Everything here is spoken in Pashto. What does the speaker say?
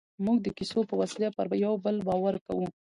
موږ د کیسو په وسیله پر یوه بل باور کوو.